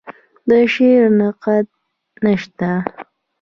د شعر نقد نشته